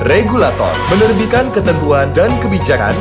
regulator menerbitkan ketentuan dan kebijakan